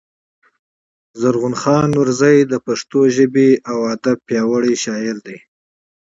زرغون خان نورزى د پښتو ژبـي او ادب پياوړی شاعر دﺉ.